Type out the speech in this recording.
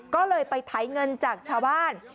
ก็เลยไปไถเงินจากชาวบ้าน